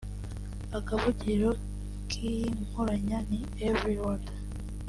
Akavugiriro k’iyi nkoranya ni “Every Word